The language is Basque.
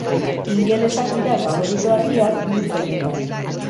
Ingelesak dira faborito argiak multzo honetan.